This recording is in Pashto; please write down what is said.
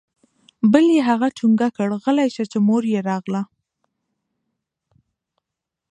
بل يې هغه ټونګه كړ غلى سه چې مور يې راغله.